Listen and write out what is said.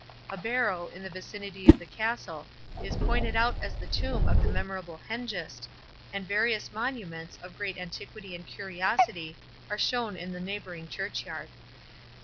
A barrow, in the vicinity of the castle, is pointed out as the tomb of the memorable Hengist; and various monuments, of great antiquity and curiosity, are shown in the neighbouring churchyard.